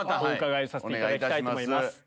お願いいたします。